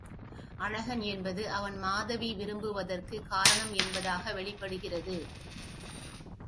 அழகன் என்பது அவன் மாதவி விரும்புவதற்குக் காரணம் என்பதாக வெளிப்படுகிறது.